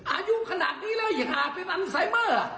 อายุขนาดนี้เลยค่ะเพื่อนสายเมอร์